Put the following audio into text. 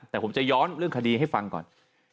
แต่ผมจะย้อนเรื่องคดีให้ฟังก่อน